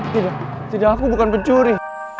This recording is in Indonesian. tidak tidak aku bukan pencuri